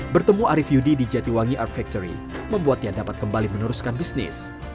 bertemu arief yudi di jatiwangi art factory membuatnya dapat kembali meneruskan bisnis